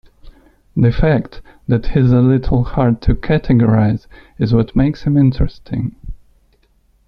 The fact that he's a little hard to categorize is what makes him interesting.